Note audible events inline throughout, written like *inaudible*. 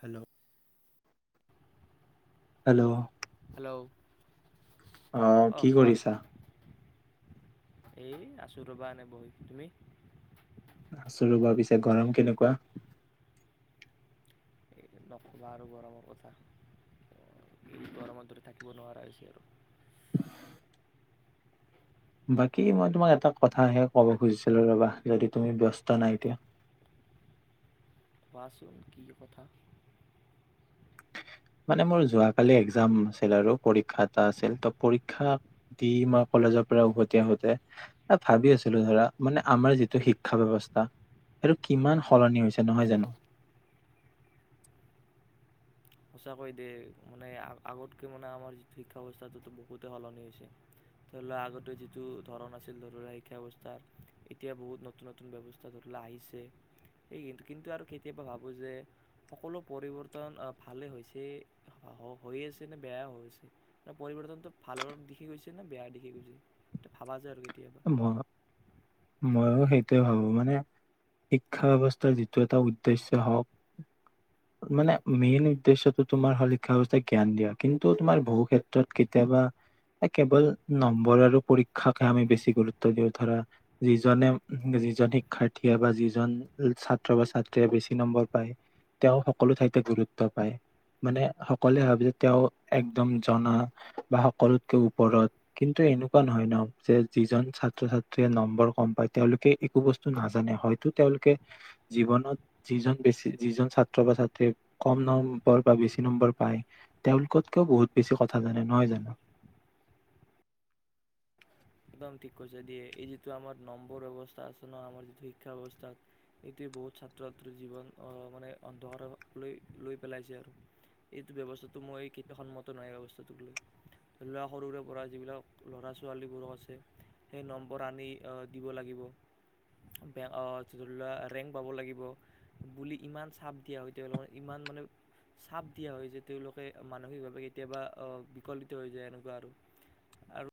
Hello. Hello *unintelligible* অ', কি কৰিছা? এ আছোঁ ৰবা এনে বহি, তুমি? আছোঁ ৰ'বা পিছে গৰম কেনেকুৱা এই নক'বা আৰু গৰমৰ কথা এই গৰমতে থাকিব নোৱাৰা হৈছে আৰু *unintelligible* বাকী মই তোমাক এটা কথাহে ক'ব খুজিছিলো ৰবা যদি তুমি ব্যস্ত নাই এতিয়া *inaudible* কোৱাচোন কি কথা? মানে মোৰ যোৱাকালি একজাম আছিল আৰু পৰীক্ষা এটা আছিল ত পৰীক্ষা দি মই কলেজৰ পৰা উভতি আহ আহোতে ভাবি আছিলো ধৰা মানে আমাৰ যিটো শিক্ষা বৱস্থা সেইটো কিমান সলনি হৈছে নহয় জানো *inaudible* সঁচাকৈ দে মানে আগতকৈ মানে আমাৰ যিটো শিক্ষা ব্যৱস্থাটো বহুতেই সলনি হৈছে ধৰি লোৱা আগতে যিটো ধৰণ আছিল ধৰি লোৱা শিক্ষা ব্যৱস্থাৰ এতিয়া বহুত নতুন নতুন ব্যৱস্থা ধৰি লোৱা আহিছে এই কিন্তু আৰু কেতিয়াবা ভাবোঁ যে সকলো পৰিৱৰ্তন ভালেই হৈছে হৈ আছে নে বেয়া হৈ আছে পৰিৱৰ্তনটো ভালৰ দিশে গৈছে নে বেয়া দিশে গৈছে সটো ভাবা যোয় আৰু কেতিয়াবা ম *inaudible* মইো সেইটোয়ে ভাবো। মানে শিক্ষা ব্যৱস্থাৰ যিটো এটা উদ্দেশ্য হওক মানে মেইন উদ্দেশ্যয়টো তোমাৰ হ শিক্ষা ব্যয়ৱস্থাই জ্ঞান দিয়া কিন্তু তোমাৰ বহু ক্ষেত্ৰত কেতিয়াবা কেৱল নম্বৰ আৰু পৰীক্ষাকে আমি বেছি গুৰুত্ব দিওঁ ধৰা যিজনে যিজন শিক্ষাৰ্থীয়ে বা যিজন ছাত্ৰ বা ছাত্ৰীয়ে বেছি নম্বৰ পায় তেওঁ সকলো ঠাইতে গুৰুত্ব পায় মানে সকলোৱে ভাবে যে তেওঁ একদম জনা বা সকলোতকে ওপৰত কিন্তু এনেকুৱা নহয় ন যে যিজন ছাত্ৰ ছাত্ৰীয়ে নম্বৰ কম পায় তেওঁলোকে একো বস্তু নাজানে হয়তো তেওঁলোকে জীৱনত যিজন বেছি যিজন ছাত্ৰ বা ছাত্ৰীয়ে কম নম্বৰ বা বেছি নম্বৰ পায় তেওঁলোকতকেও বহুত বেছি কথা জানে, নহয় জানো। একদম ঠিক কছে দিয়ে এই যিটো আমাৰ নম্বৰ ব্যৱস্থা আছে ন আমাৰ যিটো শিক্ষা ব্যৱস্থা এইটোৱে বহুত ছাত্ৰ ছাত্ৰীৰ জীৱন মানে অন্ধকাৰ লৈ লৈ পেলাইছে আৰু এইটো ব্যৱস্থাটো মই এই সন্মত নাই ব্যৱস্থাটোক লৈ ল'ৰা সৰুৰে পৰা যিবিলাক ল'ৰা ছোৱালীবোৰো আছে সেই নম্বৰ আনি আহ দিব লাগিব ধৰি লোৱা ৰেংক পাব লাগিব বুলি ইমান চাপ দিয়া হয় তেওঁলোকে ইমান মানে চাপ দিয়া হয় যে তেওঁলোকে মানসিকভাৱে কেতিয়াবা আহ বিকল্পিত হৈ যায় এনেকুৱা আৰু আৰু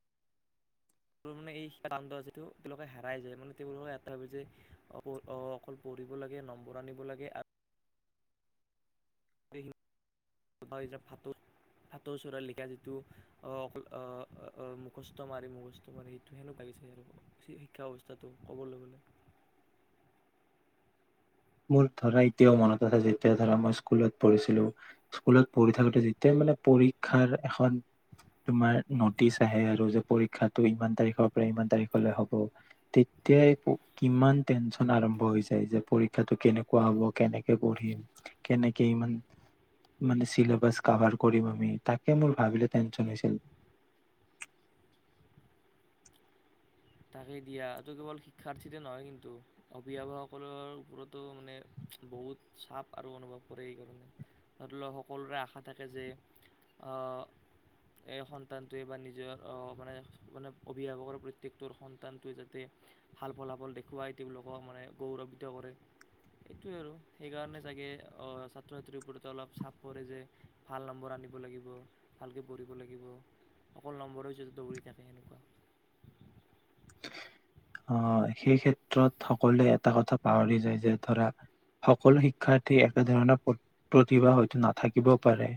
তেওঁ মানে এই শিক্ষ কাণ্ড আ যিটো তেওঁলোকে হেৰাই যায় মানে তেওঁলোকে এটা যে অকল পঢ়িব লাগে নম্বৰ আনিব লাগে আৰু *unintelligible* ভাটৌ ভাটৌ চৰাইৰ লিখা যিটো অহ একলম অহ মুখস্থ মাৰি মুখস্থ মাৰি সেইটো হেনো ভাবিছে আৰু শিক্ষা অৱস্থাটো ক'বলৈ গ'লে। মোৰ ধৰা এতিয়াও মনত আছে যেতিয়া ধৰা মই স্কুলত পঢ়িছিলো স্কুলত পঢ়ি থাকোতে যেতিয়াই মানে পৰীক্ষাৰ এখন তোমাৰ নটিচ আহে আৰু যে পৰীক্ষাটো ইমান তাৰিখৰ পৰা ইমান তাৰিখলৈ হ'ব, তেতিয়াই কিমান টেনচন আৰম্ভ হৈ যায় যে পৰী ক্ষাটো কেনেকুৱা হ'ব কেনেকে পঢ়িম কেনেকে ইমান মানে চিলেবাছ কাভাৰ কৰিম আমি তাকে মোৰ ভাবিলে টেনচন হৈছিল। তাকেই দিয়া, এইটো কেৱল শিক্ষাৰ্থীতে নহয় কিন্তু অভিভাৱকসকলৰ ওপৰতো মানে বহুত চাপ আৰু অনুভৱ কৰে এইকাৰণে ধ ধৰি লও সকলোৰে আশা থাকে যে অ এই সন্তানটোৱে বা নিজৰ অ মানে-মানে অভিভাৱকৰ প্ৰত্যেক তোৰ সন্তানটোৱে যাতে ভাল ফলাফল দেখুৱাই তেওঁলোকক মানে গৌৰৱ্বিত কৰে এইটোৱে আৰু সেইকাৰণে চাগে অ ছাত্ৰ ছাত্ৰীৰ ওপৰতে অলপ চাপ পৰে যে ভাল নম্বৰ আনিব লাগিব ভালকৈ পঢ়িব লাগিব, অকল নম্বৰেতে দৌৰি থাকে সেনেকুৱা। অঁ, সেই ক্ষেত্ৰত সকলোৱে এটা কথা পাহৰি যায় যে ধৰা সকলো শিক্ষাৰ্থী একেধৰণৰ প্ৰতি প্ৰতিভা হয়তো নাথাকিবও পাৰে।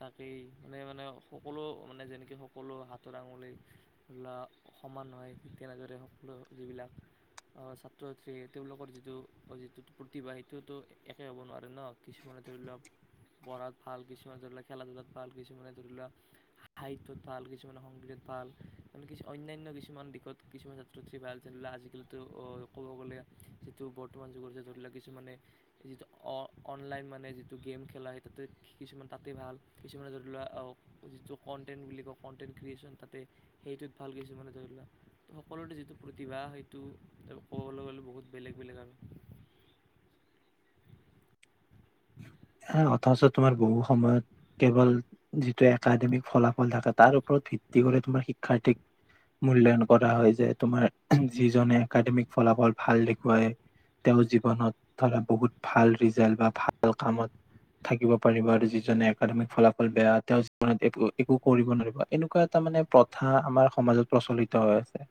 তাকেই মানে মানে সকলো মানে যেনেকে সকলো হাতৰ আঙুলি ধৰি লোৱা সমান হয় ঠিক তেনেদৰে সকলো যিবিলাক ছাত্ৰ ছাত্ৰী তেওঁলোকৰ যিটো যিটো প্ৰতিভা সেইটোতো একে হ'ব নোৱাৰে ন, কিছুমানে ধৰি লওক পঢ়াত ভাল কিছুমানে ধৰি লওক খেলা ধূলাত ভাল, কিছুমানে ধৰি লোৱা সাহিত্যত ভাল, কিছুমানে সংগীতত ভাল মানে কিছু অন্যান্য কিছুমান দিশত কিছুমান ছাত্ৰত ভাল যেনে ধৰি লক আজিকালিতো ক'ব গ'লে যিটো বৰ্তমান যুগৰ যে ধৰি লোৱাক কিছুমানে যিটো অনলাইন মানে যিটো গেম খেলা সেই তাতে কিছুমান তাতেই ভাল কিছুমানে ধৰি লোৱা যিটো কণ্টেণ্ট বুলি কয় কণ্টেণ্ট ক্ৰিয়েচন তাতে সেইটোত ভাল কিছুমানে ধৰি লোৱা সকলোৰে যিটো প্ৰতিভা সেইটো ক'বলৈ গলে বহুত বেলেগ বেলেগ আৰু অথচ তোমাৰ বহু সময়ত কেৱল যিটো একাডেমিক ফলাফল থাকে তাৰ ওপৰত ভিত্তি কৰি তোমাৰ শিক্ষাৰ্থীক মূল্যায়ন কৰা হয় যে তোমাৰ যিজনে একাডেমিক ফলাফল ভাল দেখুৱাই তেওঁ জীৱনত ধৰা বহুত ভাল ৰিজাল্ট বা ভাল কামত থাকিব পাৰিব আৰু যিজনে একাডেমিক ফলাফল বেয়া তেওঁৰ জীৱনত একো একো কৰিব নোৱাৰিব এনেকুৱা এটা মানে প্ৰথা আমাৰ সমাজত প্ৰচলিত হৈ আছে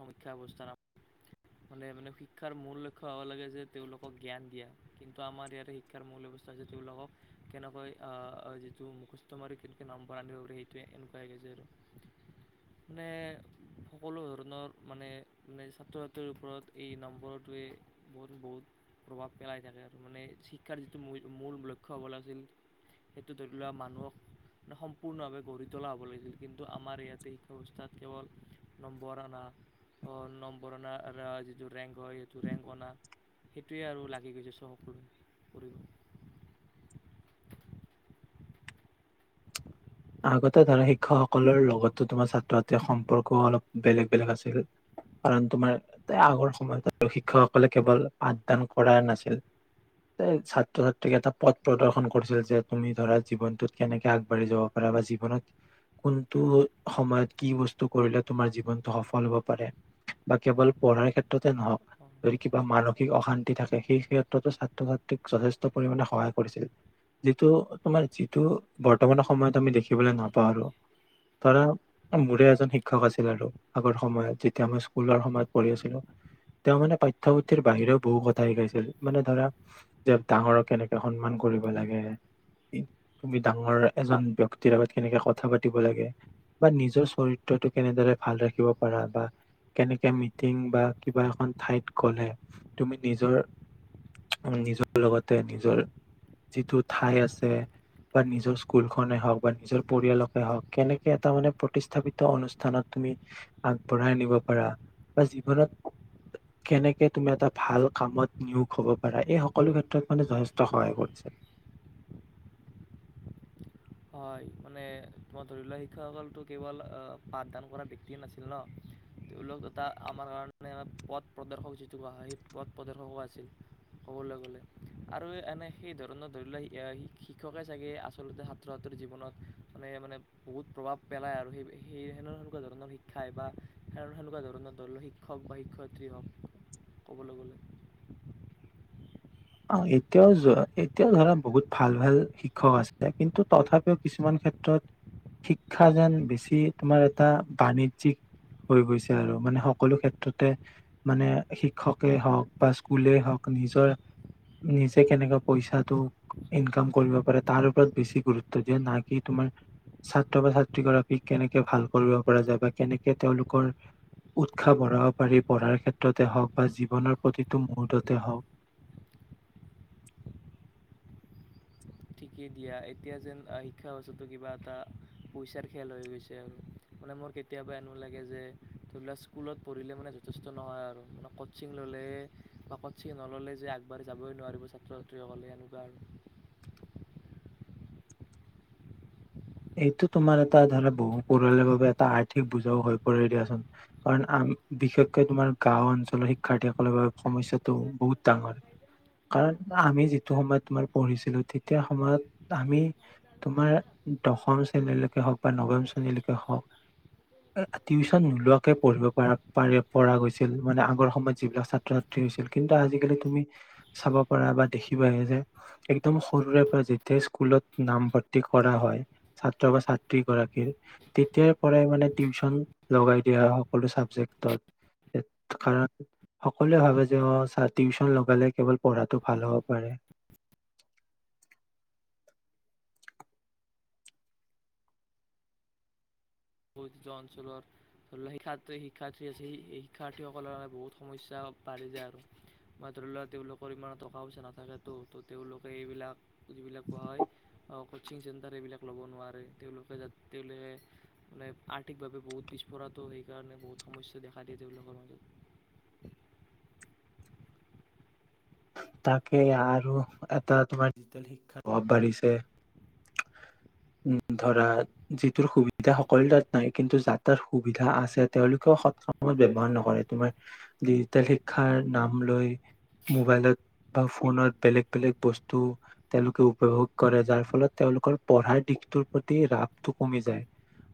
সমীক্ষা ব্যৱস্থা ন মানে মানে শিক্ষাৰ মূল লক্ষ্য হ'ব লাগে যে তেওঁলোকক জ্ঞান দিয়া কিন্তু আমাৰ ইয়াতে শিক্ষাৰ মূল ব্যৱস্থা হৈছে তেওঁলোকক কেনেকৈ যিটো মুখস্থ মাৰি কেনেকৈ নম্বৰ আনিব পাৰে সেইটোৱে এনেকুৱাে যে আৰু মানে সকলো ধৰণৰ মানে মানে ছাত্ৰ ছাত্ৰীৰ ওপৰত এই নম্বৰটোৱে বহুত বহুত প্ৰভাৱ পেলাই থাকে আৰু মানে শিক্ষাৰ যিটো ম মূল লক্ষ্য হ'ব লাগিছিল সেইটো ধৰি লোৱা মানুহক মানে সম্পূৰ্ণভাৱে গঢ়ি তোলা হ'ব লাগিছিল কিন্তু আমাৰ ইয়াতে শিক্ষা ব্যৱস্থাত কেৱল নম্বৰ অনা নম্বৰ অনাৰ যিটো ৰেংক হয় সেইটো ৰেংক অনা সেইটোৱে আৰু লাগি গৈছে চ সকলোৱে কৰিব আগতে ধৰা শিক্ষকসকলৰ লগতো তোমাৰ ছাত্ৰ ছাত্ৰীৰ সম্পৰ্ক অলপ বেলেগ বেলেগ আছিল কাৰণ তোমাৰ আগৰ সময়ত শিক্ষকসকলে কেৱল পাঠদান কৰা নাছিল এ ছাত্ৰ ছাত্ৰীক এটা পথ প্ৰদৰ্শন কৰিছিল যে তুমি ধৰা জীৱনটোত কেনেকে আগবাঢ়ি যাব বা জীৱনত কোনটো সময়ত কি বস্তু কৰিলে তোমাৰ জীৱনটো সফল হব পাৰে বা কেৱল পঢ়াৰ ক্ষেত্ৰতে নহওক যদি কিবা মানসিক অশান্তি থাকে সেই ক্ষেত্ৰতো ছাত্ৰ ছাত্ৰীক যথেষ্ট পৰিমণে সহায় কৰিছিল যিটো তোমাৰ যিটো বৰ্তমান সময়ত আমি দেখিবলৈ নাপাওঁ আৰু ধৰা মোৰে এজন শিক্ষক আছিল আৰু আগৰ সময়ত যেতিয়া আমি স্কুলৰ সময়ত পঢ়ি আছিলো তেওঁ মানে পাঠ্যপুথিৰ বাহিৰেও বহু কথা শিকাইছিল মানে ধৰা যে ডাঙৰক কেনেকে সন্মান কৰিব লাগে তুমি ডাঙৰ এজন ব্ক্তি কেতিয়াবা কেনেকে কথা পাতিব লাগে বা নিজৰ চৰিত্ৰটো কেনেদৰে ভাল ৰাখিব পাৰা বা কেনেকে মিটিং বা কিবা এখন ঠাইত গলে তুমি নিজৰ নিজৰ লগতে নিজৰ যিটো ঠাই আছে বা নিজৰ স্কুলখনে হওঁক বা নিজৰ পৰিয়ালকে হওঁক কেনেকে এটা মানে প্ৰতিষ্ঠাপিত অনুষ্ঠানত তুমি আগবঢ়াই নিব পাৰা বা জীৱনত কেনেকে তুমি এটা ভাল কামত নিয়োগ হব পাৰা এই সকলো ক্ষেত্ৰত মানে যথেষ্ট সহায় কৰিছে হয় মানে মই ধৰি লোৱা শিক্ষকসকলতো কেৱল পাঠদান কৰা ব্যক্তিয়ে নাছিল ন তেওঁলোক এটা আমাৰ কাৰণে পথ প্ৰদৰ্শক যিটো কোৱা হয় সেই পথ প্ৰদৰ্শকো আছিল ক'বলৈ গ'লে আৰু এনে সেই ধৰণৰ ধৰি লোৱা শিক্ষকে চাগে আচলতে ছাত্ৰ ছাত্ৰৰ জীৱনত মানে মানে বহুত প্ৰভাৱ পেলায় আৰু সেই সেই সেনে সেনেকুৱা ধৰণৰ শিক্ষাই বা সেনে সেনেকুৱা ধৰণৰ ধৰি লওক শিক্ষক বা শিক্ষয়িত্ৰী হওক ক'বলৈ গ'লে অ এতিয়াও এতিয়াও ধৰা বহুত ভাল ভাল শিক্ষক আছে কিন্তু তথাপিও কিছুমান ক্ষেত্ৰত শিক্ষা যেন বেছি তোমাৰ এটা বাণিজ্যিক হৈ গৈছে আৰু মানে সকলো ক্ষেত্ৰতে মানে শিক্ষকেই হওঁক বা স্কুল হওক নিজৰ নিজে কেনেকে পইচাটো ইনকাম কৰিব পাৰে তাৰ ওপৰত বেছি গুৰুত্ব দিয়ে ন কি তোমাৰ ছাত্ৰ বা ছাত্ৰীগৰাকীক কেনেকে ভাল কৰিব পৰা যায় বা কেনেকে তেওঁলোকৰ উৎসাহ বঢ়াব পাৰি পঢ়াৰ ক্ষেত্ৰতে হওঁক বা জীৱনৰ প্ৰতিটো মুহূৰ্ততে হওক ঠিকেই দিয়া এতিয়া যেন শিক্ষা ব্যৱস্থাটো কিবা এটা পইচাৰ খেল হৈ গৈছে আৰু মানে মোৰ কেতিয়াবা এনেো লাগে যে ধৰি লোৱাক স্কুলত পঢ়িলে মানে যথেষ্ট নহয় আৰু মানে কচিং ল'লে বা কচিং নললে যে আগবাঢ়ি যাবই নোৱাৰিব ছাত্ৰ ছাত্ৰীসকলে এনেকুৱা আৰু এইটো তোমাৰ এটা ধৰা বহু পৰিয়ালৰ বাবে এটা আৰ্থিক বুজাও হৈ পৰে দিয়াচোন কাৰণ আম বিশেষকৈ তোমাৰ গাও অঞ্চলৰ শিক্ষাৰ্থীসকলৰ বাবে সমস্যাটো বহুত ডাঙৰ কাৰণ আমি যিটো সময়ত তোমাৰ পঢ়িছিলো তেতিয়া সময়ত আমি তোমাৰ দশম শ্ৰেণীলৈকে হওক বা নৱম শ্ৰেণীলৈকে হওক টিউচন নোলোৱাকে পঢ়িব পা প পৰা গৈছিল মানে আগৰ সময়ত যিবিলাক ছাত্ৰ ছাত্ৰী হৈছিল কিন্তু আজিকালি তুমি চাব পাৰা বা দেখিবাহি যে একদম সৰুৰে পৰা যেতিয়াই স্কুলত নামভৰ্তি কৰা হয় ছাত্ৰ বা ছাত্ৰী গৰাকীৰ তেতিয়াৰ পৰাই মানে টিউচন লগাই দিয়া হয় সকলো চাবজেক্টত কাৰণ সকলোৱে ভাবে যে অ টিউচন লগালে কেৱল পঢ়াটো ভাল হব পাৰে বহ অঞ্চলৰ ধৰি লোৱাক শিক্ষাৰ শিক্ষাৰ্থী আছে শিক্ষাৰ্থীসকলৰ কাৰণে বহুত সমস্যা বাঢ়ি যায় আৰু মই ধৰি লওোৱা তেওঁলোকৰ ইমানৰ টকা পইচা নাথাকেতো ত তেওঁলোকে এইবিলাক যিবিলাক পোৱা হয় আহ অকল কচিং চেণ্টাৰ এইবিলাক ল'ব নোৱাৰে তেওঁলোকে যাতে তেওঁলোকে মানে আৰ্থিকভাৱে বহুত পিছপৰাতো সেইকাৰণে বহুত সমস্যা দেখা দিয়ে তেওঁলোকৰ মাজত তাকে আৰু এটা তোমাৰ ডিজিটেল শিক্ষাৰ প্ৰভাৱ বাঢ়িছে উম ধৰা যিটোৰ সুবিধা সকলো তাত নাই কিন্তু যাৰ তাৰ সুবিধা আছে তেওঁলোকেও সয়ত ব্যৱহাৰ নকৰে তোমাৰ ডিজিটেল শিক্ষাৰ নাম লৈ মোবাইলত বা ফোনত বেলেগ বেলেগ বস্তু তেওঁলোকে উপভোগ কৰে যাৰ ফলত তেওঁলোকৰ পঢ়াৰ দিশটোৰ প্ৰতি ৰাপটো কমি যায়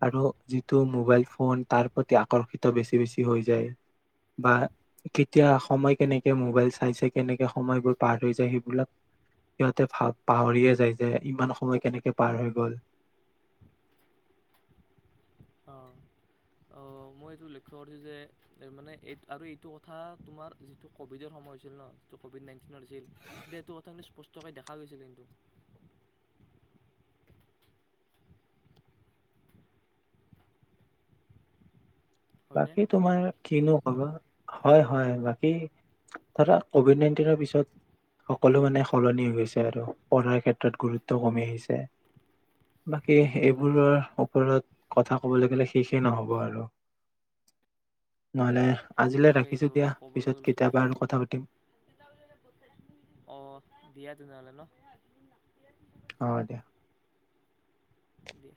আৰু যিটো মোবাইল ফোন তাৰ প্ৰতি আকৰ্ষিত বেছি বেছি হৈ যায় বা কেতিয়া সময় কেনেকে মোবাইল চাইছে কেনেক সময়বোৰ পাৰ হৈ যায় সেইবিলাক সিহঁতে পাহৰিয়ে যায় যে ইমান সময় কেনেকে পাৰ হৈ গল অ মই এইটো লক্ষ্য কৰিছোঁ যে মানে এই আৰু এইটো কথা তোমাৰ যিটো ক'ভিডৰ সময় হৈছিল ন যিটো ক'ভিড নাইন্তিনৰ হৈছিল তেতিয়া এইটো কথাখি স্পষ্টকৈ দেখা গৈছিল কিন্তু হয়নে বাকী তোমাৰ কিনো হয় হয় বাকী ধৰা কভিড নাইনটিনৰ পিছত সকলো মানে সলনি গৈছে আৰু পঢ়াৰ ক্ষেত্ৰত গুৰুত্ব কমি আহিছে বাকী এইবোৰৰ ওপৰত কথা কবলৈ গলে শেষে নহ'ব আৰু নহলে আজিলৈ ৰাখিছো তাকেইটো দিয়া কবলৈ পিছত গলেতো কেতিয়াবা শেষে আৰু নহব কথা পাতিম অ দিয়া তেনেহ'লে ন অ দিয়া দিয়া